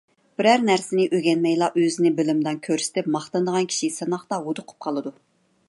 بىرەر نەرسىنى ئۆگەنمەيلا ئۆزىنى بىلىمدان كۆرسىتىپ ماختىنىدىغان كىشى سىناقتا ھودۇقۇپ قالىدۇ!